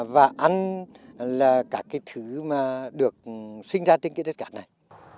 và ăn là cả cái thứ mà được sinh ra trên cái đất cát này